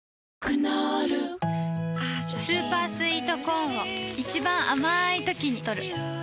クノールスーパースイートコーンを一番あまいときにとる